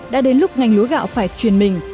đã đến lúc ngành lúa gạo phải truyền mình